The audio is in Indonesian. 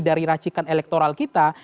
dari racikan elektoral kita